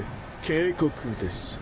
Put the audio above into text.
警告です。